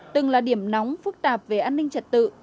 từng là điểm nóng phức tạp về an ninh trật tự